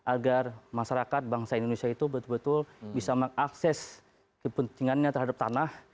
agar masyarakat bangsa indonesia itu betul betul bisa mengakses kepentingannya terhadap tanah